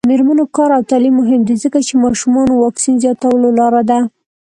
د میرمنو کار او تعلیم مهم دی ځکه چې ماشومانو واکسین زیاتولو لاره ده.